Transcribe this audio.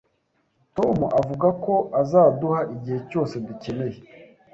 Tom avuga ko azaduha igihe cyose dukeneye